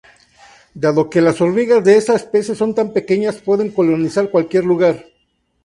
Dado que las hormigas de esta especie son tan pequeñas, pueden colonizar cualquier lugar.